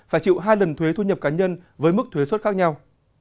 phải chịu hai lần thuế thu nhập cá nhân với mức thuế xuất khác nhau